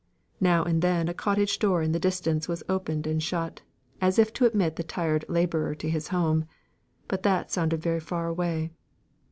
Now and then, a cottage door in the distance was opened and shut, as if to admit the tired labourer to his home; but that sounded very far away.